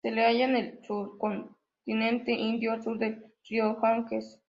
Se la halla en el subcontinente Indio, al sur del río Ganges.